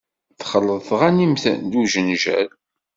Texleḍ tɣanimt d ujenjal.